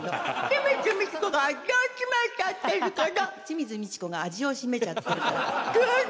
「清水ミチコが味を占めちゃってるから」。